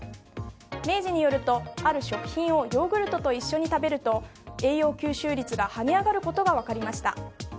明治によるとある食品をヨーグルトと一緒に食べると栄養吸収率が跳ね上がることが分かりました。